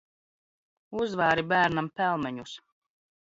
Uzv?ri b?rnam pelme?us.